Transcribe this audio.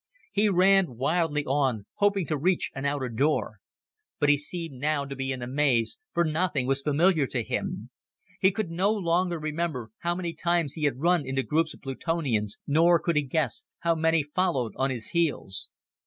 He ran wildly on, hoping to reach an outer door. But he seemed now to be in a maze, for nothing was familiar to him. He could no longer remember how many times he had run into groups of Plutonians, nor could he guess how many followed on his heels.